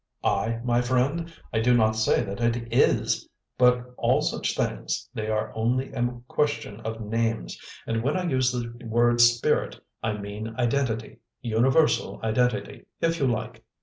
"I, my friend? I do not say that it IS! But all such things, they are only a question of names, and when I use the word 'spirit' I mean identity universal identity, if you like.